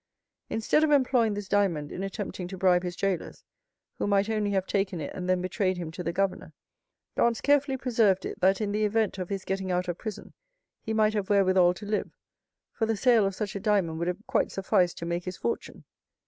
Instead of employing this diamond in attempting to bribe his jailers, who might only have taken it and then betrayed him to the governor, Dantès carefully preserved it, that in the event of his getting out of prison he might have wherewithal to live, for the sale of such a diamond would have quite sufficed to make his fortune."